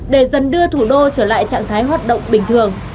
để dần đưa thủ đô trở lại trạng thái hoạt động bình thường